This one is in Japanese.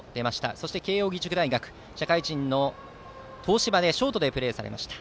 そして慶応義塾大学・社会人の東芝でショートでプレーされました。